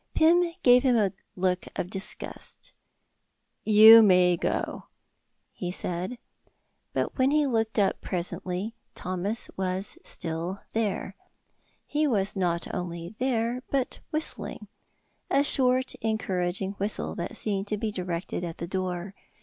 Pym gave him a look of disgust "You may go," he said. But when he looked up presently, Thomas was still there. He was not only there, but whistling a short, encouraging whistle that seemed to be directed at the door.